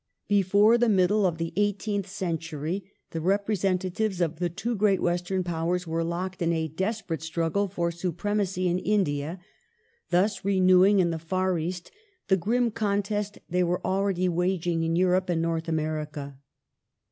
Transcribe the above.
Before the middle of the eighteenth century the repre sentatives of the two great Western Powers were locked in a desperate struggle for supremacy in India, thus, renewing in the Far East the grim contest they wei e already waging in Europe and North America.